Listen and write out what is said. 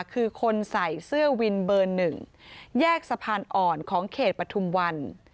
คือคนใส่เสื้อวินเบอร์๑แยกสะพานอ่อนของเขตปฐุมวัน